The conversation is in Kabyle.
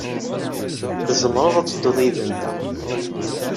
Tzemreḍ ad tedduḍ yid-nteɣ.